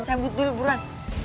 cabut dulu buruan